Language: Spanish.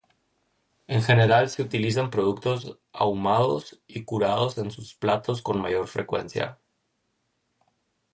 En general se utilizan productos ahumados y curados en sus platos con mayor frecuencia.